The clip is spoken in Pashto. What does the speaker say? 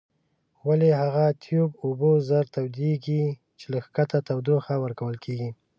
ولې هغه تیوب اوبه ژر تودیږي چې له ښکته تودوخه ورکول کیږي؟